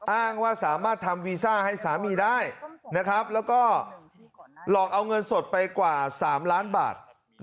อ้างว่าสามารถทำวีซ่าให้สามีได้นะครับแล้วก็หลอกเอาเงินสดไปกว่า๓ล้านบาท